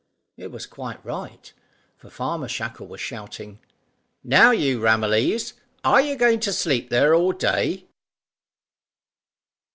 It was quite right, for Farmer Shackle was shouting "Now you, Ramillies, are you going to sleep there all day?"